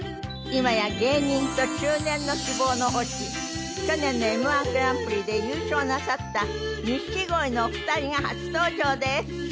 今や芸人と中年の希望の星去年のＭ−１グランプリで優勝なさった錦鯉のお二人が初登場です。